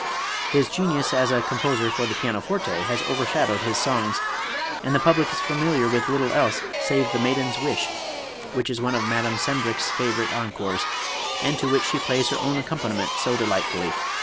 His genius as a composer for the pianoforte has overshadowed his songs, and the public is familiar with little else save "The Maiden's Wish," which is one of Madame Sembrich's favorite encores and to which she plays her own accompaniment so delightfully.